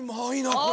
これ。